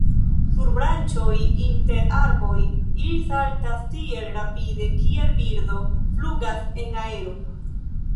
Sur branĉoj inter arboj ili saltas tiel rapide kiel birdo flugas en aero.